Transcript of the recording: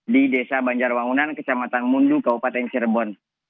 di desa banjarwangunan kecamatan mundu kabupaten cirebon